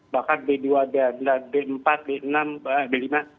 bahkan b dua b empat b enam b lima